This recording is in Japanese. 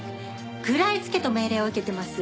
食らいつけと命令を受けてます。